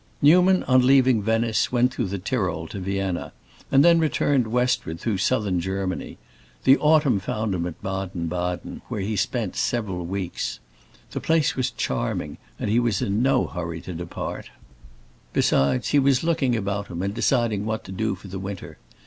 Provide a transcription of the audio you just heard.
Newman, on leaving Venice, went through the Tyrol to Vienna, and then returned westward, through Southern Germany. The autumn found him at Baden Baden, where he spent several weeks. The place was charming, and he was in no hurry to depart; besides, he was looking about him and deciding what to do for the winter.